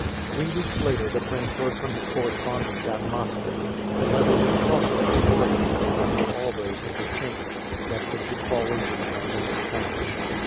Three weeks later the prince heard from his correspondent at Maastricht. The letter was cautiously worded, as were all those interchanged, lest it should fall into the hands of the Spanish.